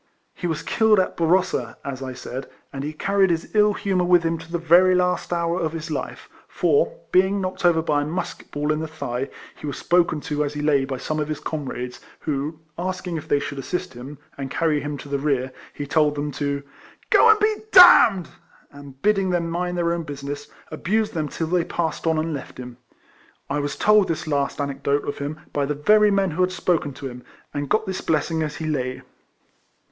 He was killed at Barrossa, as I said, and he carried his ill humour with him to the very last hour of his life ; for, being knocked over by a musket ball in the thigh, he was spoken to as he lay by some of his comrades, who, asking if they RIFLEMAN HARRIS. 113 should assist him, and carry hiin to the rear, he told them to " Go and he d—dl " and, bidding them mind their own business, abused them till they passed on and left him. I was told this last anecdote of him by the very men who had spoken to him, and got this blessing as he lay.